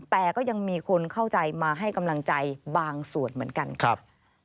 แต่ก็ยังมีคนเข้าใจมาให้กำลังใจบางส่วนเหมือนกันครับ